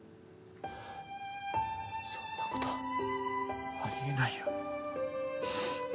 そんなことありえないよ。